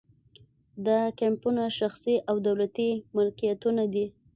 دا کیمپونه شخصي او دولتي ملکیتونه دي